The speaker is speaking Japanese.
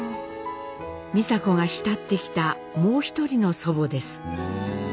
美佐子が慕ってきたもう一人の祖母です。